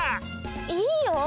いいよ！